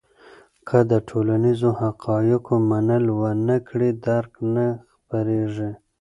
که د ټولنیزو حقایقو منل ونه کړې، درک نه بشپړېږي.